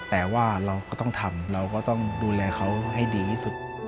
แต่ว่าเราก็ต้องทำเราก็ต้องดูแลเขาให้ดีที่สุด